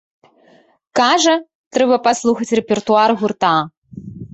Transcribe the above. Кажа, трэба паслухаць рэпертуар гурта.